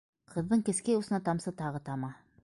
Ҡыҙҙың кескәй усына тамсы тағы тама.